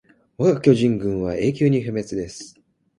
わが巨人軍は永久に不滅です